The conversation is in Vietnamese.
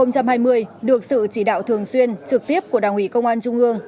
năm hai nghìn hai mươi được sự chỉ đạo thường xuyên trực tiếp của đảng ủy công an trung ương